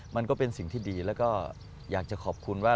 มันก็เป็นสิ่งที่ดีแล้วก็อยากจะขอบคุณว่า